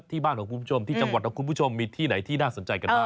ที่บ้านของคุณผู้ชมที่จังหวัดของคุณผู้ชมมีที่ไหนที่น่าสนใจกันบ้าง